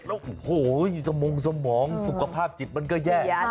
แล้วหูยสมองสมองสุขภาพจิตมันก็แยะ